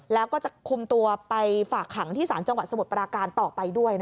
แล้วก็จะคุมตัวไปฝากขังที่ศาลจังหวัดสมุทรปราการต่อไปด้วย